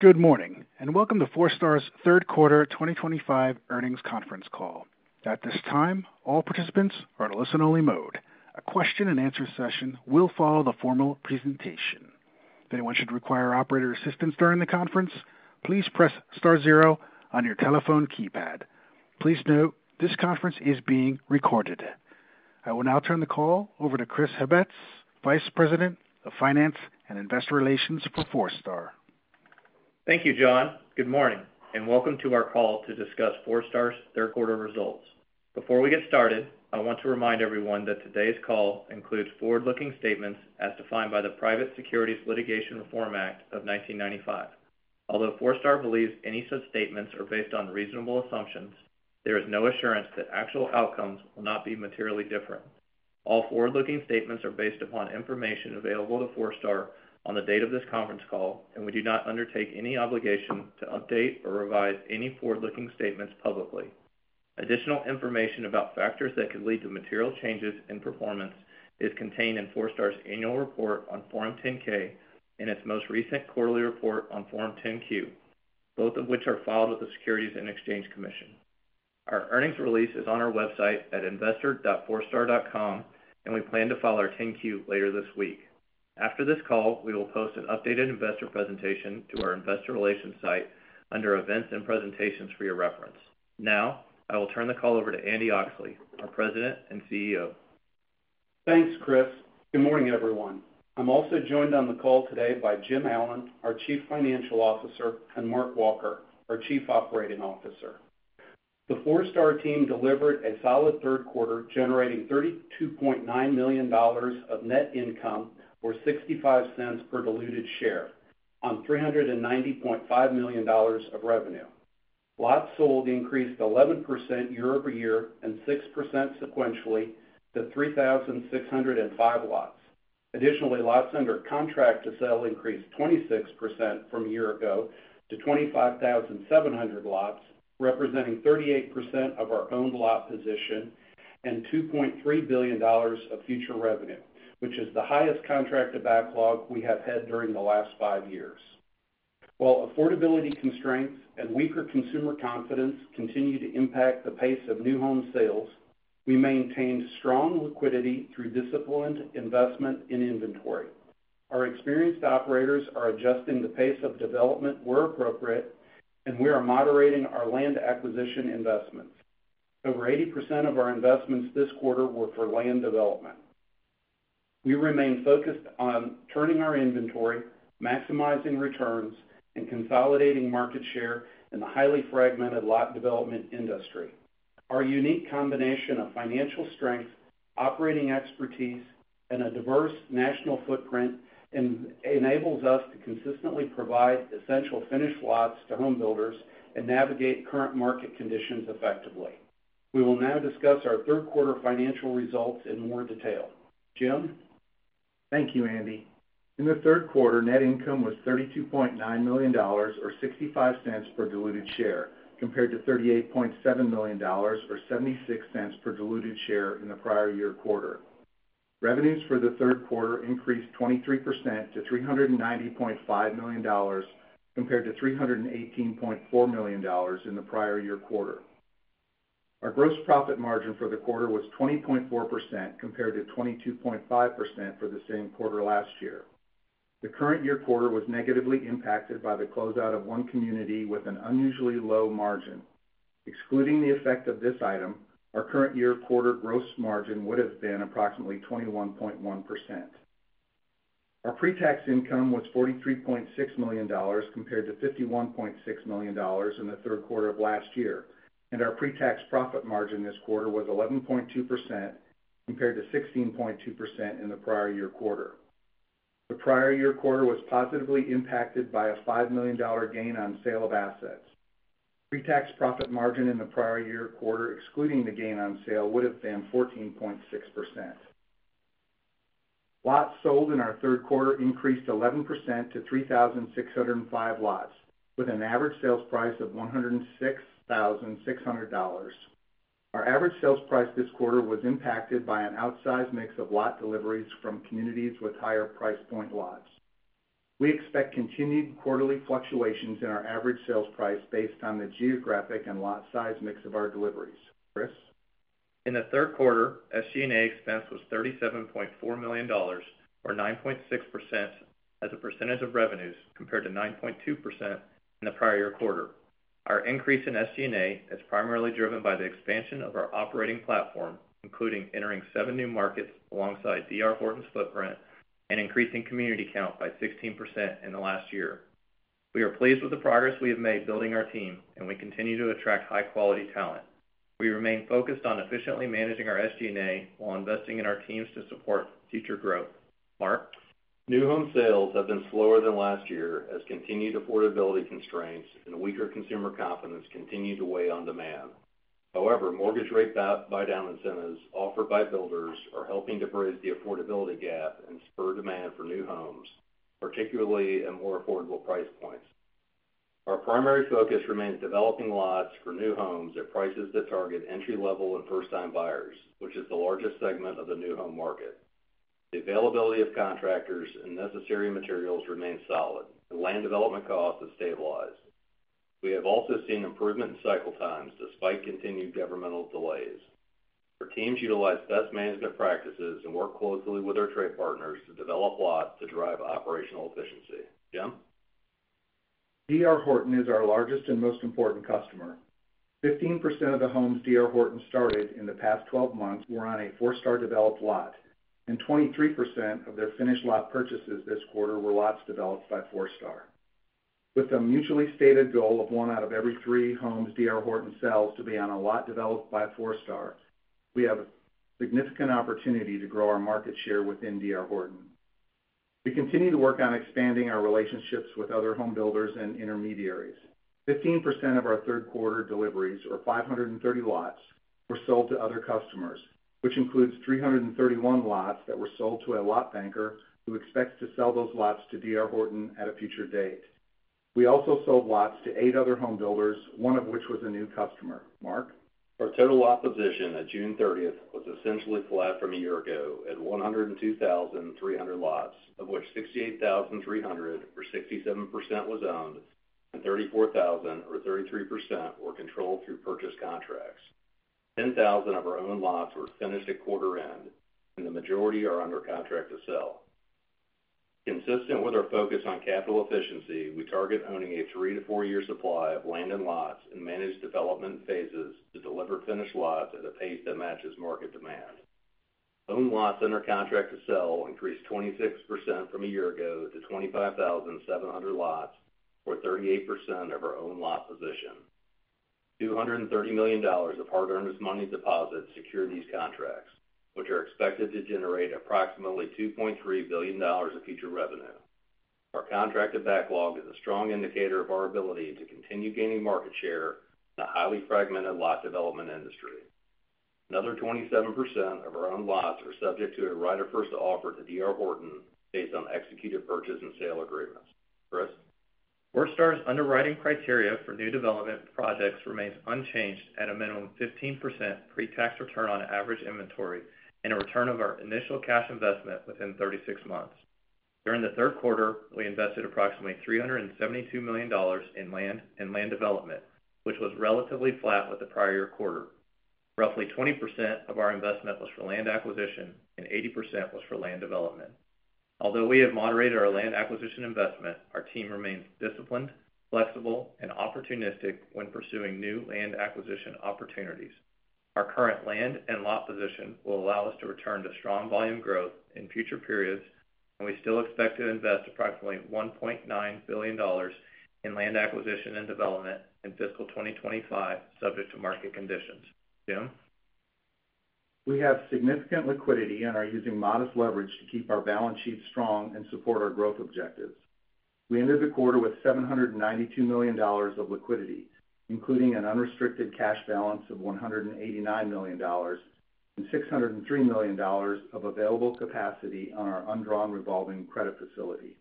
Good morning and welcome to Forestar's third quarter 2025 earnings conference call. At this time, all participants are in a listen-only mode. The question and answer session will follow the formal presentation. If anyone should require operator assistance during the conference, please press star zero on your telephone keypad. Please note this conference is being recorded. I will now turn the call over to Chris Hibbetts, Vice President of Finance and Investor Relations for Forestar. Thank you, John. Good morning and welcome to our call to discuss Forestar's third quarter results. Before we get started, I want to remind everyone that today's call includes forward-looking statements as defined by the Private Securities Litigation Reform Act of 1995. Although Forestar believes any such statements are based on reasonable assumptions, there is no assurance that actual outcomes will not be materially different. All forward-looking statements are based upon information available to Forestar on the date of this conference call, and we do not undertake any obligation to update or revise any forward-looking statements publicly. Additional information about factors that could lead to material changes in performance is contained in Forestar's annual report on Form 10-K and its most recent quarterly report on Form 10-Q, both of which are filed with the Securities and Exchange Commission. Our earnings release is on our website at investor.forestar.com, and we plan to file our 10-Q later this week. After this call, we will post an updated investor presentation to our investor relations site under Events and Presentations for your reference. Now, I will turn the call over to Andy Oxley, our President and CEO. Thanks, Chris. Good morning, everyone. I'm also joined on the call today by Jim Allen, our Chief Financial Officer, and Mark Walker, our Chief Operating Officer. The Forestar team delivered a solid third quarter, generating $32.9 million of net income or $0.65/diluted share on $390.5 million of revenue. Lots sold increased 11% year-over-year and 6% sequentially to 3,605 lots. Additionally, lots under contract to sale increased 26% from a year ago to 25,700 lots, representing 38% of our owned lot position and $2.3 billion of future revenue, which is the highest contracted backlog we have had during the last five years. While affordability constraints and weaker consumer confidence continue to impact the pace of new home sales, we maintained strong liquidity through disciplined investment in inventory. Our experienced operators are adjusting the pace of development where appropriate, and we are moderating our land acquisition investments. Over 80% of our investments this quarter were for land development. We remain focused on turning our inventory, maximizing returns, and consolidating market share in the highly fragmented lot development industry. Our unique combination of financial strength, operating expertise, and a diverse national footprint enables us to consistently provide essential finished lots to home builders and navigate current market conditions effectively. We will now discuss our third quarter financial results in more detail. Jim? Thank you, Andy. In the third quarter, net income was $32.9 million or $0.65/diluted share, compared to $38.7 million or $0.76/diluted share in the prior year quarter. Revenues for the third quarter increased 23% to $390.5 million compared to $318.4 million in the prior year quarter. Our gross profit margin for the quarter was 20.4% compared to 22.5% for the same quarter last year. The current year quarter was negatively impacted by the closeout of one community with an unusually low margin. Excluding the effect of this item, our current year quarter gross margin would have been approximately 21.1%. Our pre-tax income was $43.6 million compared to $51.6 million in the third quarter of last year, and our pre-tax profit margin this quarter was 11.2% compared to 16.2% in the prior year quarter. The prior year quarter was positively impacted by a $5 million gain on sale of assets. Pre-tax profit margin in the prior year quarter, excluding the gain on sale, would have been 14.6%. Lots sold in our third quarter increased 11% to 3,605 lots, with an average sales price of $106,600. Our average sales price this quarter was impacted by an outsized mix of lot deliveries from communities with higher price point lots. We expect continued quarterly fluctuations in our average sales price based on the geographic and lot size mix of our deliveries. Chris? In the third quarter, SG&A expense was $37.4 million or 9.6% as a percentage of revenues compared to 9.2% in the prior year quarter. Our increase in SG&A is primarily driven by the expansion of our operating platform, including entering seven new markets alongside D.R. Horton's footprint and increasing community count by 16% in the last year. We are pleased with the progress we have made building our team, and we continue to attract high-quality talent. We remain focused on efficiently managing our SG&A while investing in our teams to support future growth. Mark? New home sales have been slower than last year as continued affordability constraints and weaker consumer confidence continue to weigh on demand. However, mortgage rates by D.R. Horton, offered by builders, are helping to bridge the affordability gap and spur demand for new homes, particularly at more affordable price points. Our primary focus remains developing lots for new homes at prices that target entry-level and first-time buyers, which is the largest segment of the new home market. The availability of contractors and necessary materials remains solid, and land development costs have stabilized. We have also seen improvement in cycle times despite continued governmental delays. Our teams utilize best management practices and work closely with our trade partners to develop lots to drive operational efficiency. Jim? D.R. Horton is our largest and most important customer. 15% of the homes D.R. Horton started in the past 12 months were on a Forestar developed lot, and 23% of the finished lot purchases this quarter were lots developed by Forestar. With a mutually stated goal of one out of every three homes D.R. Horton sells to be on a lot developed by Forestar, we have a significant opportunity to grow our market share within D.R. Horton. We continue to work on expanding our relationships with other home builders and intermediaries. 15% of our third quarter deliveries, or 530 lots, were sold to other customers, which includes 331 lots that were sold to a lot banker who expects to sell those lots to D.R. Horton at a future date. We also sold lots to eight other home builders, one of which was a new customer. Mark? Our total lot position at June 30 was essentially flat from a year ago at 102,300 lots, of which 68,300 or 67% was owned and 34,000 or 33% were controlled through purchase contracts. 10,000 of our own lots were finished at quarter end, and the majority are under contract to sell. Consistent with our focus on capital efficiency, we target owning a 3-4-year supply of land and lots and manage development phases to deliver finished lots at a pace that matches market demand. Owned lots under contract to sell increased 26% from a year ago to 25,700 lots or 38% of our owned lot position. $230 million of hard-earned money deposits secure these contracts, which are expected to generate approximately $2.3 billion of future revenue. Our contracted backlog is a strong indicator of our ability to continue gaining market share in a highly fragmented lot development industry. Another 27% of our owned lots are subject to a right of first offer to D.R. Horton based on executed purchase and sale agreements. Chris? Forestar's underwriting criteria for new development projects remains unchanged at a minimum of 15% pre-tax return on average inventory and a return of our initial cash investment within 36 months. During the third quarter, we invested approximately $372 million in land and land development, which was relatively flat with the prior year quarter. Roughly 20% of our investment was for land acquisition and 80% was for land development. Although we have moderated our land acquisition investment, our team remains disciplined, flexible, and opportunistic when pursuing new land acquisition opportunities. Our current land and lot position will allow us to return to strong volume growth in future periods, and we still expect to invest approximately $1.9 billion in land acquisition and development in fiscal 2025 subject to market conditions. Jim? We have significant liquidity and are using modest leverage to keep our balance sheet strong and support our growth objectives. We ended the quarter with $792 million of liquidity, including an unrestricted cash balance of $189 million and $603 million of available capacity on our undrawn revolving credit facility.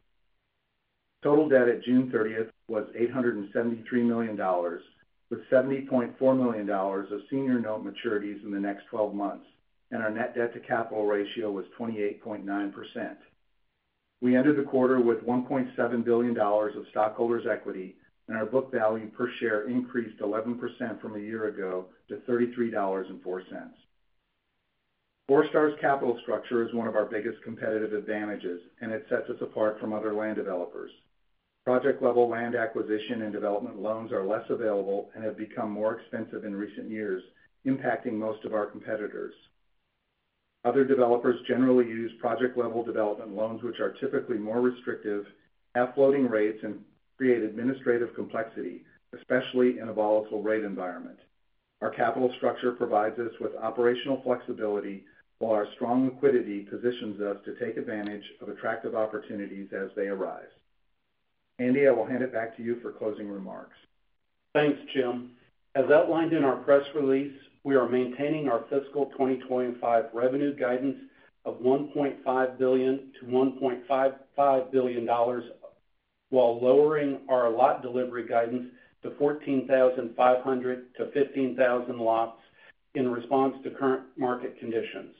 Total debt at June 30 was $873 million, with $70.4 million of senior note maturities in the next 12 months, and our net debt to capital ratio was 28.9%. We ended the quarter with $1.7 billion of stockholders' equity, and our book value per share increased 11% from a year ago to $33.04. Forestar's capital structure is one of our biggest competitive advantages, and it sets us apart from other land developers. Project-level land acquisition and development loans are less available and have become more expensive in recent years, impacting most of our competitors. Other developers generally use project-level development loans, which are typically more restrictive, have floating rates, and create administrative complexity, especially in a volatile rate environment. Our capital structure provides us with operational flexibility, while our strong liquidity positions us to take advantage of attractive opportunities as they arise. Andy, I will hand it back to you for closing remarks. Thanks, Jim. As outlined in our press release, we are maintaining our fiscal 2025 revenue guidance of $1.5 billion-$1.55 billion, while lowering our lot delivery guidance to 14,500-15,000 lots in response to current market conditions.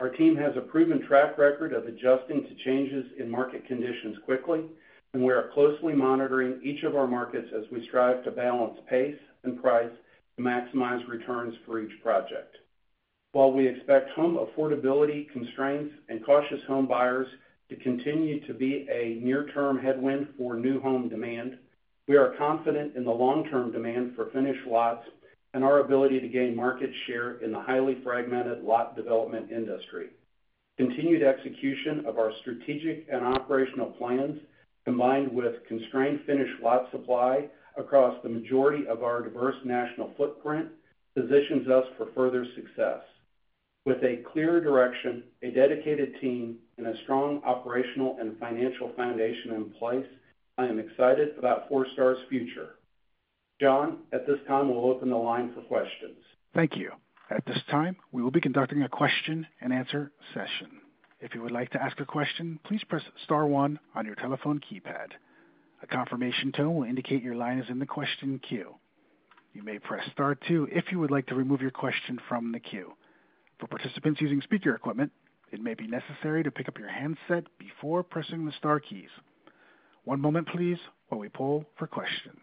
Our team has a proven track record of adjusting to changes in market conditions quickly, and we are closely monitoring each of our markets as we strive to balance pace and price to maximize returns for each project. While we expect home affordability constraints and cautious home buyers to continue to be a near-term headwind for new home demand, we are confident in the long-term demand for finished lots and our ability to gain market share in the highly fragmented lot development industry. Continued execution of our strategic and operational plans, combined with constrained finished lot supply across the majority of our diverse national footprint, positions us for further success. With a clear direction, a dedicated team, and a strong operational and financial foundation in place, I am excited about Forestar's future. John, at this time, we'll open the line for questions. Thank you. At this time, we will be conducting a question and answer session. If you would like to ask a question, please press star one on your telephone keypad. A confirmation tone will indicate your line is in the question queue. You may press star two if you would like to remove your question from the queue. For participants using speaker equipment, it may be necessary to pick up your handset before pressing the star keys. One moment, please, while we pull for questions.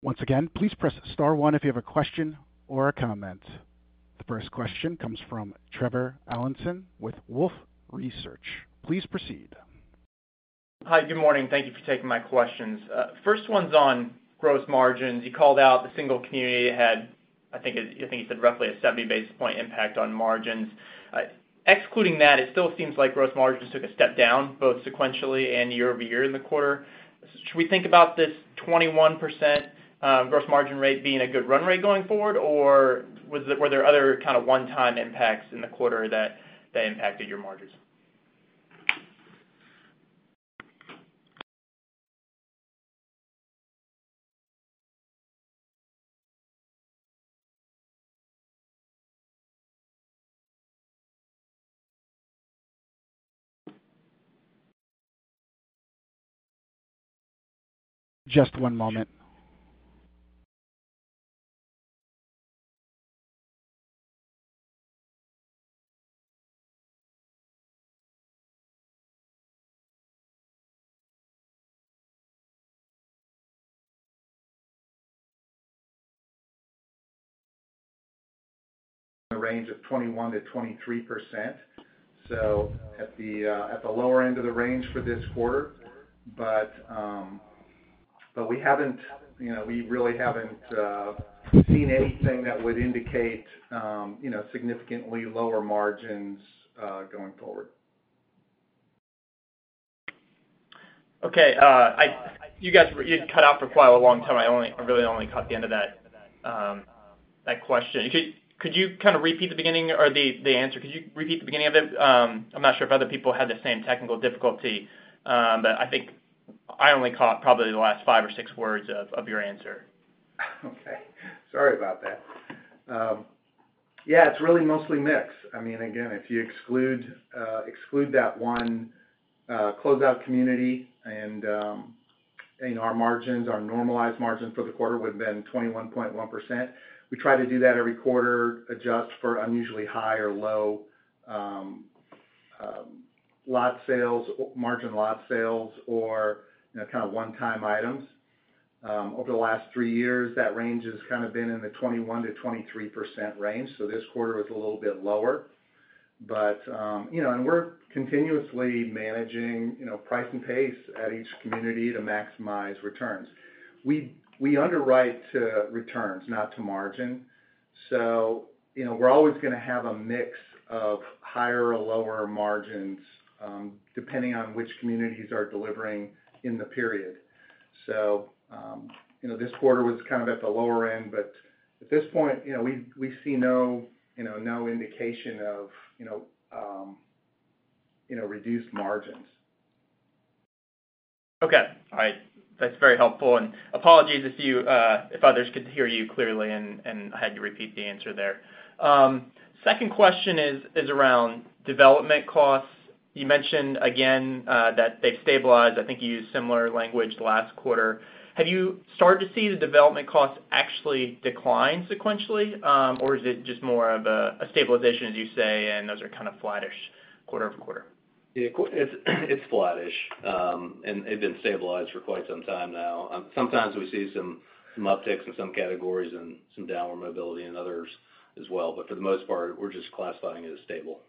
Once again, please press star one if you have a question or a comment. The first question comes from Trevor Allinson with Wolfe Research. Please proceed. Hi, good morning. Thank you for taking my questions. First one's on gross margins. You called out the single community had, I think you said, roughly a 70 basis point impact on margins. Excluding that, it still seems like gross margins took a step down both sequentially and year-over-year in the quarter. Should we think about this 21% gross margin rate being a good run rate going forward, or were there other kind of one-time impacts in the quarter that impacted your margins? Just one moment. A range of 21%-23%. At the lower end of the range for this quarter, but we haven't, you know, we really haven't seen anything that would indicate significantly lower margins going forward. Okay. You cut out for quite a long time. I really only caught the end of that question. Could you kind of repeat the beginning or the answer? Could you repeat the beginning of it? I'm not sure if other people had the same technical difficulty, but I think I only caught probably the last five or six words of your answer. Okay. Sorry about that. Yeah, it's really mostly mix. I mean, again, if you exclude that one closeout community and our margins, our normalized margins for the quarter would have been 21.1%. We try to do that every quarter, adjust for unusually high or low lot sales, margin lot sales, or kind of one-time items. Over the last three years, that range has kind of been in the 21%-23% range. This quarter was a little bit lower. We are continuously managing price and pace at each community to maximize returns. We underwrite to returns, not to margin. We are always going to have a mix of higher or lower margins depending on which communities are delivering in the period. This quarter was at the lower end, but at this point, we see no indication of reduced margins. Okay. All right. That's very helpful. Apologies if others could hear you clearly and had you repeat the answer there. Second question is around development costs. You mentioned again that they've stabilized. I think you used similar language the last quarter. Have you started to see the development costs actually decline sequentially, or is it just more of a stabilization, as you say, and those are kind of flattish quarter-over-quarter? Yeah, it's flattish, and they've been stabilized for quite some time now. Sometimes we see some upticks in some categories and some downward mobility in others as well, but for the most part, we're just classifying it as stable.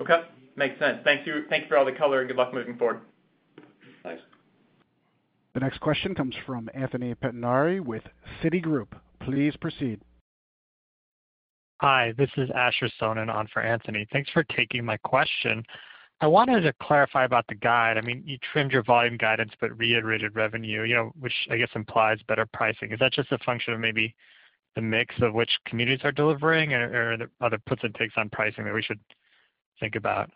Okay. Makes sense. Thank you. Thank you for all the color and good luck moving forward. Thanks. The next question comes from Anthony Pettinari with Citigroup. Please proceed. Hi, this is Asher Sohnen on for Anthony. Thanks for taking my question. I wanted to clarify about the guide. I mean, you trimmed your volume guidance but reiterated revenue, you know, which I guess implies better pricing. Is that just a function of maybe the mix of which communities are delivering or are there other puts and takes on pricing that we should think about?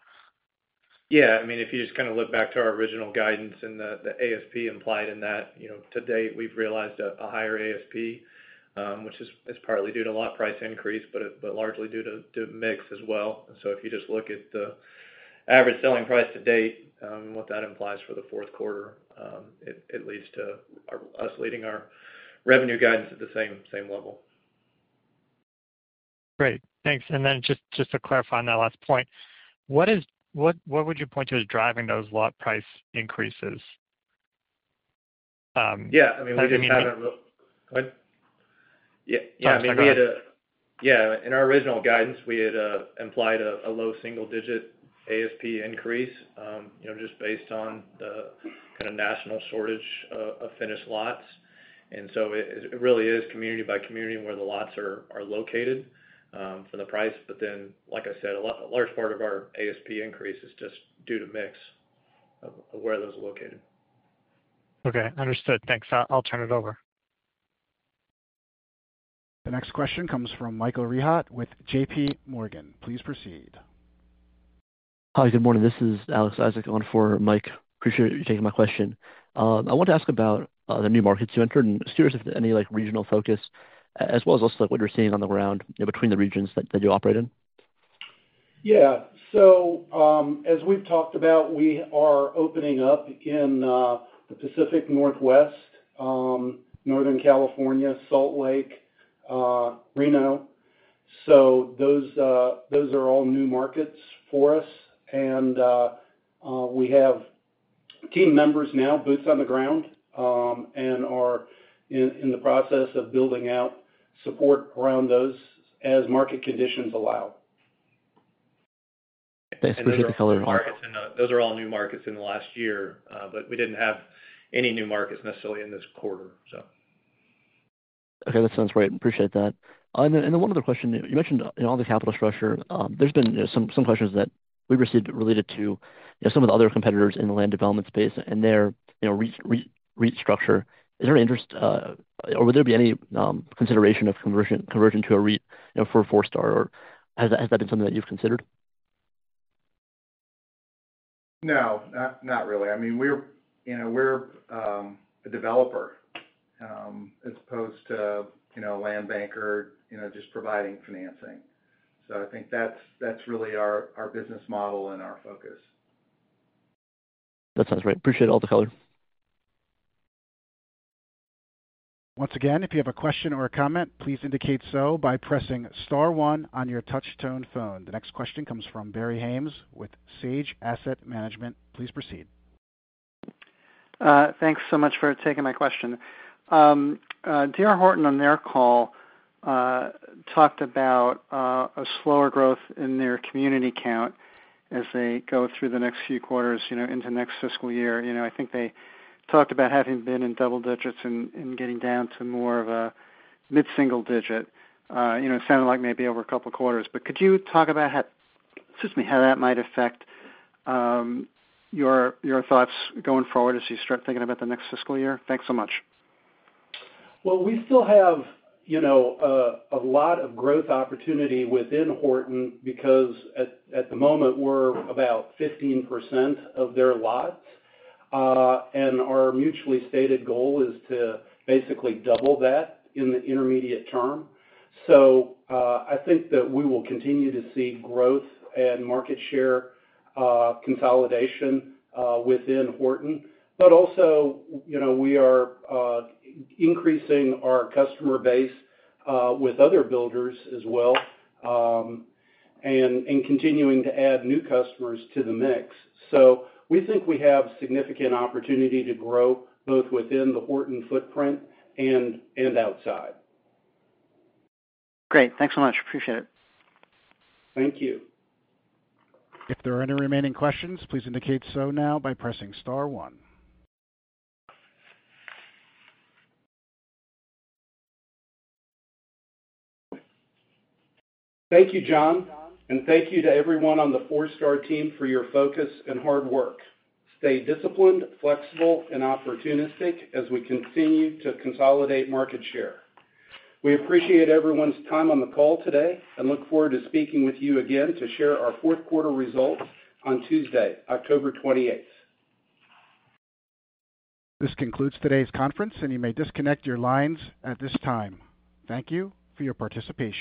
Yeah. I mean, if you just kind of look back to our original guidance and the ASP implied in that, you know, to date, we've realized a higher ASP, which is partly due to a lot price increase, but largely due to mix as well. If you just look at the average selling price to date, what that implies for the fourth quarter, it leads to us leading our revenue guidance at the same level. Great. Thanks. And then just to clarify on that last point, what would you point to as driving those lot price increases? Yeah. I mean, we just had a... In our original guidance, we had implied a low single-digit ASP increase, you know, just based on the kind of national shortage of finished lots. It really is community by community where the lots are located from the price. Like I said, a large part of our ASP increase is just due to mix of where those are located. Okay. Understood. Thanks. I'll turn it over. The next question comes from Michael Rehaut with JPMorgan. Please proceed. Hi. Good morning. This is Alex Isaac on for Mike. Appreciate you taking my question. I want to ask about the new markets you entered, if any regional focus, as well as also what you're seeing on the ground between the regions that you operate in. As we've talked about, we are opening up in the Pacific Northwest, Northern California, Salt Lake City, and Reno. Those are all new markets for us. We have team members now, boots on the ground, and are in the process of building out support around those as market conditions allow. Thanks. Appreciate the color and art. Those are all new markets in the last year, but we didn't have any new markets necessarily in this quarter. Okay. That sounds great. Appreciate that. One other question. You mentioned in all the capital structure, there's been some questions that we've received related to some of the other competitors in the land development space and their REIT structure. Is there an interest or would there be any consideration of conversion to a REIT for Forestar? Has that been something that you've considered? No, not really. I mean, we're a developer as opposed to a land banker, just providing financing. I think that's really our business model and our focus. That sounds great. Appreciate all the color. Once again, if you have a question or a comment, please indicate so by pressing star one on your touch-tone phone. The next question comes from Barry Haimes with Sage Asset Management. Please proceed. Thanks so much for taking my question. D.R. Horton on their call talked about a slower growth in their community count as they go through the next few quarters, into next fiscal year. I think they talked about having been in double-digits and getting down to more of a mid-single digit. It sounded like maybe over a couple of quarters. Could you talk about how that might affect your thoughts going forward as you start thinking about the next fiscal year? Thanks so much. We still have a lot of growth opportunity within D.R. Horton because at the moment, we're about 15% of their lots. Our mutually stated goal is to basically double that in the intermediate term. I think that we will continue to see growth and market share consolidation within D.R. Horton. We are increasing our customer base with other builders as well and continuing to add new customers to the mix. We think we have significant opportunity to grow both within the D.R. Horton footprint and outside. Great, thanks so much. Appreciate it. Thank you. If there are any remaining questions, please indicate so now by pressing star one. Thank you, John. Thank you to everyone on the Forestar team for your focus and hard work. Stay disciplined, flexible, and opportunistic as we continue to consolidate market share. We appreciate everyone's time on the call today and look forward to speaking with you again to share our fourth quarter results on Tuesday, October 28. This concludes today's conference, and you may disconnect your lines at this time. Thank you for your participation.